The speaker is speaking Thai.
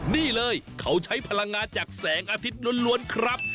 นี่เลยเขาใช้พลังงานจากแสงอาทิตย์ล้วนครับ